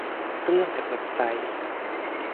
เรื่องจากเว็บไซต์